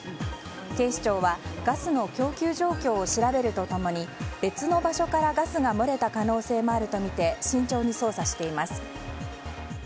警視庁は、ガスの供給状況を調べると共に別の場所からガスが漏れた可能性もあるとみて慎重に捜査しています。